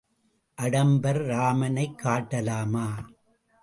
அடம்பர் இராமனைக் காட்டலாமா?